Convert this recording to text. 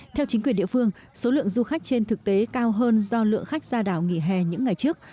theo chính quyền địa phương số lượng du khách trên thực tế cao hơn do lượng khách ra đảo nghỉ hè những ngày trước